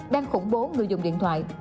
đang khủng bố người dùng điện thoại